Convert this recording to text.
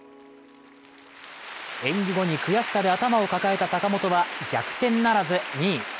演技後に悔しさで頭を抱えた坂本は逆転ならず２位。